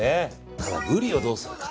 ブリをどうするか。